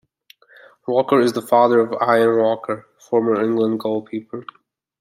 Walker is the father of Ian Walker, former England goalkeeper.